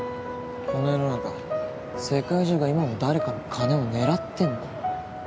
この世の中世界中が今も誰かの金を狙ってんだよ。